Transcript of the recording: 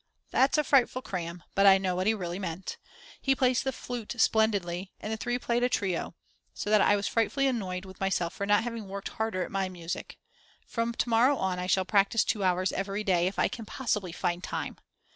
That's a frightful cram, but I know what he really meant. He plays the flute splendidly, and the three played a trio, so that I was frightfully annoyed with myself for not having worked harder at my music. From to morrow on I shall practice 2 hours every day, if I can possibly find time.